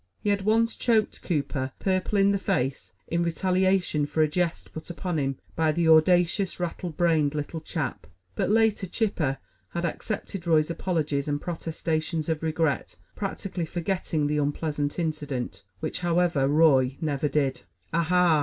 He had once choked Cooper purple in the face in retaliation for a jest put upon him by the audacious, rattle brained little chap; but later Chipper had accepted Roy's apologies and protestations of regret, practically forgetting the unpleasant incident, which, however, Roy never did. "Ah ha!"